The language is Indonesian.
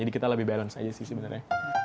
jadi kita lebih balance aja sih sebenernya